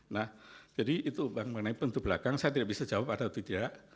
nah jadi itu mengenai pintu belakang saya tidak bisa jawab atau tidak